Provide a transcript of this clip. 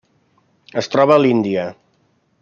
Es troba a l'Índia.